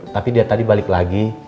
tapi dia tadi balik lagi